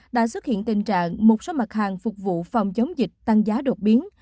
đã xuất hiện tình trạng một số mặt hàng phục vụ phòng chống dịch tăng giá đột biến